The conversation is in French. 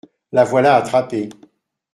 La voilà attrapée.